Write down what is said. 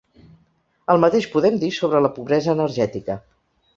El mateix podem dir sobre la pobresa energètica.